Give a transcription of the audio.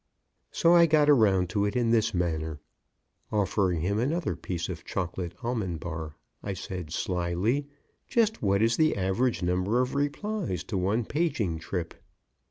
So I got around it in this manner: offering him another piece of chocolate almond bar, I said, slyly: "Just what is the average number of replies to one paging trip?"